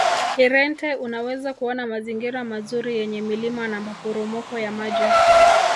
irente unaweza kuona mazingira mazuri yenye milima na maporomoko ya maji